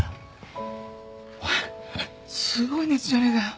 おいすごい熱じゃねえかよ。